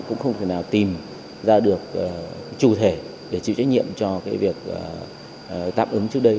cũng không thể nào tìm ra được chủ thể để chịu trách nhiệm cho cái việc tạm ứng trước đây